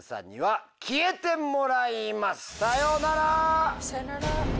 さようなら！